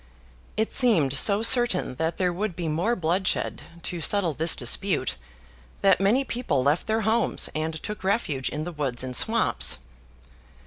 It seemed so certain that there would be more bloodshed to settle this dispute, that many people left their homes, and took refuge in the woods and swamps.